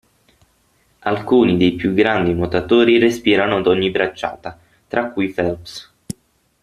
Alcuni dei più grandi nuotatori respirano ad ogni bracciata (tra cui Phelps).